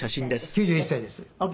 ９１歳です。